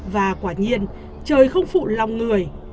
và quả nhiên trời không phụ lòng người